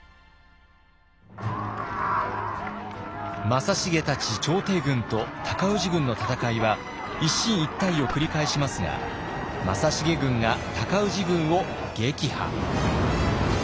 正成たち朝廷軍と尊氏軍の戦いは一進一退を繰り返しますが正成軍が尊氏軍を撃破。